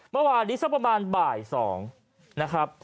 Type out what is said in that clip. เมื่อวานนี้สักประมาณบ่าย๒นะครับ